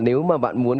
nếu mà bạn muốn